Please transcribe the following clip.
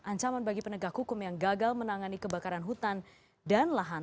ancaman bagi penegak hukum yang gagal menangani kebakaran hutan dan lahan